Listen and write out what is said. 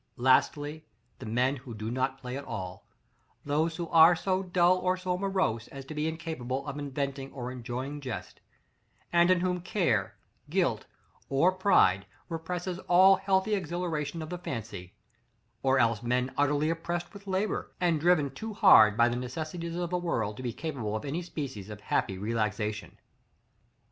§ XXX. Lastly: The men who do not play at all: those who are so dull or so morose as to be incapable of inventing or enjoying jest, and in whom care, guilt, or pride represses all healthy exhilaration of the fancy; or else men utterly oppressed with labor, and driven too hard by the necessities of the world to be capable of any species of happy relaxation.